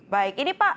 baik ini pak